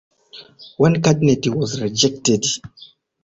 One candidate was rejected.